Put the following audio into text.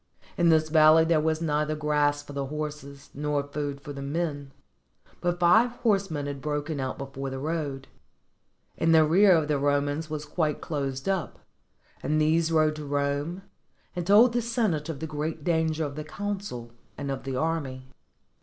In this valley there was neither grass for the horses, nor food for the men; but five horsemen had broken out before the road in the rear of the Romans was quite closed up, and these rode to Rome, and told the senate of the great danger of the consul and of the army.